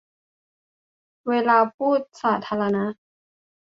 เวลาพูดว่า 'สาธารณะ'